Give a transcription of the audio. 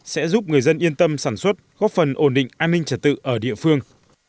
sẽ giúp người dân yên tâm sản xuất góp phần ổn định an ninh trật tự ở địa phương